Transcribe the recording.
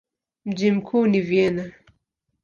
Mji mkuu ni Vienna.